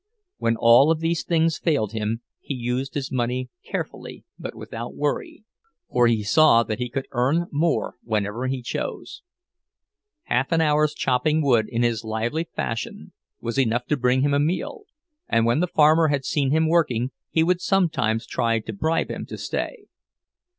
When all of these things failed him he used his money carefully, but without worry—for he saw that he could earn more whenever he chose. Half an hour's chopping wood in his lively fashion was enough to bring him a meal, and when the farmer had seen him working he would sometimes try to bribe him to stay.